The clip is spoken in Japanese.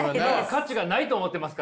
価値がないと思っていますから。ですよね！